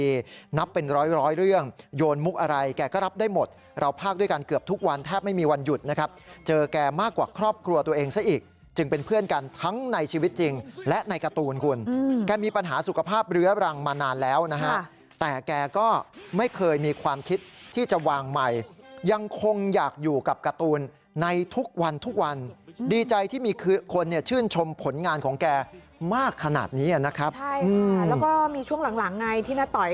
คุณไก่วันนี้คือคุณไก่วันนี้คือคุณไก่วันนี้คือคุณไก่วันนี้คือคุณไก่วันนี้คือคุณไก่วันนี้คือคุณไก่วันนี้คือคุณไก่วันนี้คือคุณไก่วันนี้คือคุณไก่วันนี้คือคุณไก่วันนี้คือคุณไก่วันนี้คือคุณไก่วันนี้คือคุณไก่วันนี้คือคุณไก่วันนี้คือคุณไก่วันนี้คือคุณไก่วันนี้คือ